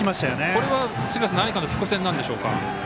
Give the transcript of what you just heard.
これは杉浦さん何かの伏線なんでしょうか。